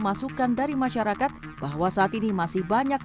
masukan dari masyarakat bahwa saat ini masih banyak